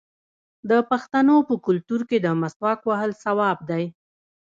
د پښتنو په کلتور کې د مسواک وهل ثواب دی.